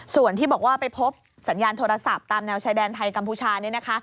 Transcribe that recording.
ส่วนที่บอกว่าไปพบสัญญาณโทรศัพท์ตามแนวชายแดนไทยกัมพูชานี่นะคะ